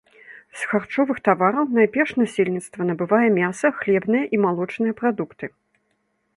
З харчовых тавараў найперш насельніцтва набываецца мяса, хлебныя і малочныя прадукты.